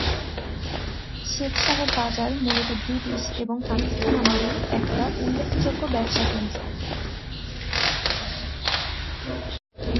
শেখ সাহেব বাজার মূলত ব্রিটিশ এবং পাকিস্তান আমলের একটা উল্লেখযোগ্য ব্যবসায়কেন্দ্র।